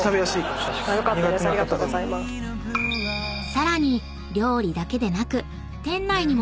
［さらに料理だけでなく］